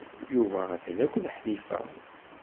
Yuba atan akked Ḥnifa.